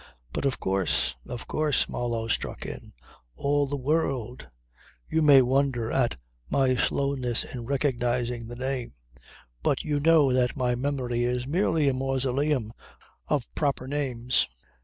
"But of course " "Of course," Marlow struck in. "All the world ... You may wonder at my slowness in recognizing the name. But you know that my memory is merely a mausoleum of proper names.